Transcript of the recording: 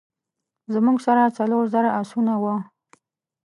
زموږ سره څلور زره آسونه وه.